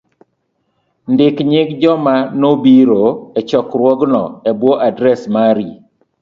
ndik nying joma nobiro e chokruogno e bwo adres mari.